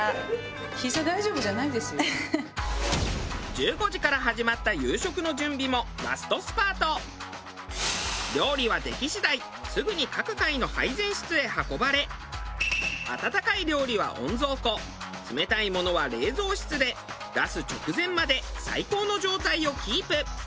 １５時から始まった料理は出来次第すぐに各階の配膳室へ運ばれ温かい料理は温蔵庫冷たいものは冷蔵室で出す直前まで最高の状態をキープ。